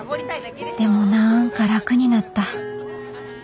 でもなんか楽になった